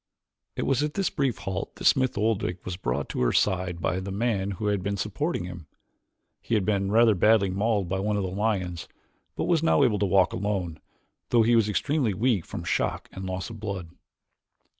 It was at this brief halt that Smith Oldwick was brought to her side by the men who had been supporting him. He had been rather badly mauled by one of the lions; but was now able to walk alone, though he was extremely weak from shock and loss of blood.